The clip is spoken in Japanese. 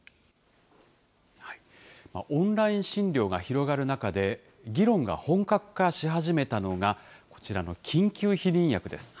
オンライン診療が広がる中で、議論が本格化し始めたのが、こちらの緊急避妊薬です。